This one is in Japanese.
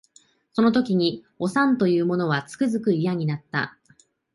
その時におさんと言う者はつくづく嫌になった